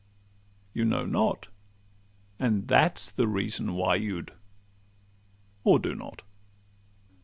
You know not, And that's the reason why you do—or do not.